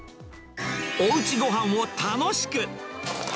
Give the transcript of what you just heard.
おうちごはんを楽しく。